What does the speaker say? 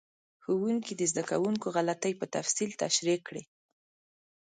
ښوونکي د زده کوونکو غلطۍ په تفصیل تشریح کړې.